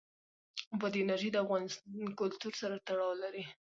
بادي انرژي د افغان کلتور سره تړاو لري.